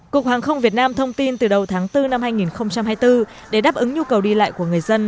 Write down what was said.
cục hàng không việt nam thông tin từ đầu tháng bốn năm hai nghìn hai mươi bốn để đáp ứng nhu cầu đi lại của người dân